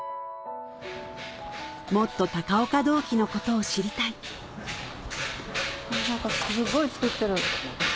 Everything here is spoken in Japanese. もっと高岡銅器のことを知りたい何かすごい作ってる。